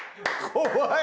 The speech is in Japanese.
怖い！